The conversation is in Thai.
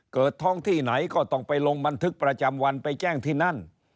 ท้องที่ไหนก็ต้องไปลงบันทึกประจำวันไปแจ้งที่นั่น